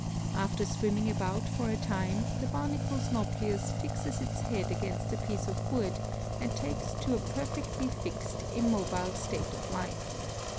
After swimming about for a time the Barnacle's Nauplius fixes its head against a piece of wood and takes to a perfectly fixed, immobile state of life.